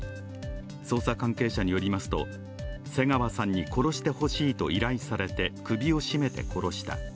捜査関係者によりますと、瀬川さんに殺してほしいと依頼されて首を絞めて殺した。